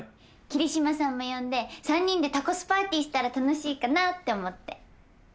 桐島さんも呼んで３人でタコスパーティーしたら楽しいかなって思って。